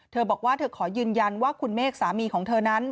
เธอบอกว่าเธอขอยืนยันว่าคุณเมฆสามีของเธอนั้น